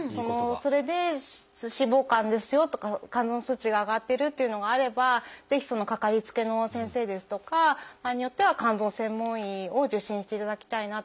それで脂肪肝ですよとか肝臓の数値が上がってるというのがあればぜひかかりつけの先生ですとか場合によっては肝臓専門医を受診していただきたいなというふうに思ってます。